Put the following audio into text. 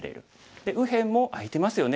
で右辺も空いてますよね。